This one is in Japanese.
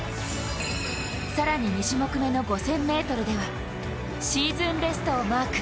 更に２種目めの５０００ｍではシーズンベストをマーク。